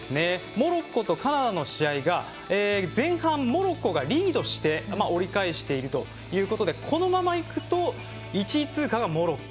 モロッコとカナダの試合が前半、モロッコがリードして折り返しているということでこのままいくと１位通過がモロッコ。